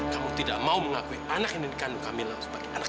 kamu tidak mau mengakui anak camilla sebagai anakmu